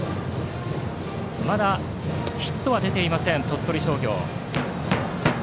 まだヒットが出ていません鳥取商業。